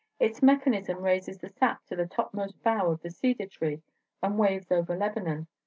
It's mechanism raises the sap to the topmost bough of the cedar tree that waves over Lebanon.